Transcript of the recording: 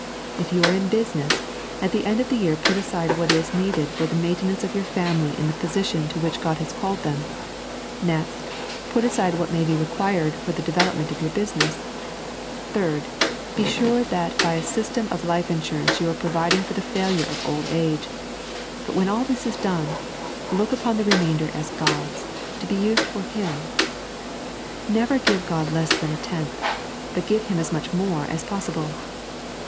If you are in business, at the end of the year put aside what is needed for the maintenance of your family in the position to which Ood has called them; next, put aside what may be required for the development of your busi ness ; third, be sure that by a system of life insurance you you are providing for the failure of old age ; but when all this is done, look upon the remainder as God's, to be used for Him. Never give God less than a tenth, but give Him as much more as possible.